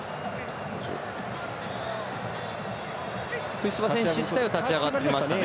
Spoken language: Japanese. テュイソバ選手自体は立ち上がってましたね。